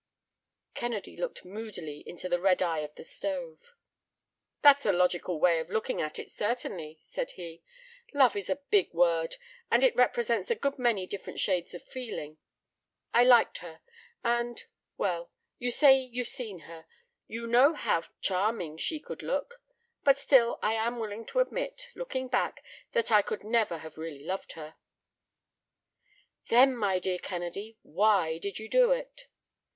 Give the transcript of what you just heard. Kennedy looked moodily into the red eye of the stove. "That's a logical way of looking at it, certainly," said he. "Love is a big word, and it represents a good many different shades of feeling. I liked her, and—well, you say you've seen her—you know how charming she could look. But still I am willing to admit, looking back, that I could never have really loved her." "Then, my dear Kennedy, why did you do it?"